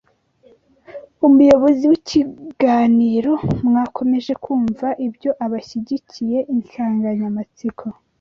Umuyobozi w’ikiganiro Mwakomeje kumva ibyo abashyigikiye insanganyamatsiko